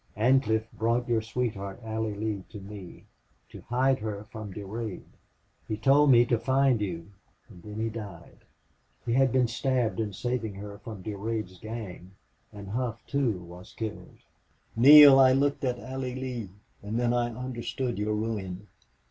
Ancliffe brought your sweetheart, Allie Lee, to me to hide her from Durade. He told me to find you and then he died. He had been stabbed in saving her from Durade's gang. And Hough, too, was killed. Neale, I looked at Allie Lee, and then I understood your ruin.